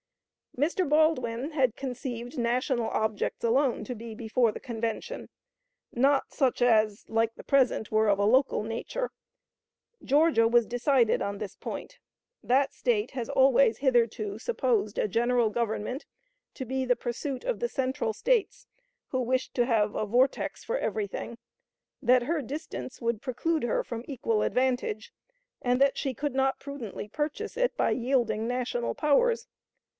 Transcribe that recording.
" "Mr. Baldwin had conceived national objects alone to be before the Convention: not such as, like the present, were of a local nature. Georgia was decided on this point. That State has always hitherto supposed a General Government to be the pursuit of the central States, who wished to have a vortex for everything; that her distance would preclude her from equal advantage; and that she could not prudently purchase it by yielding national powers.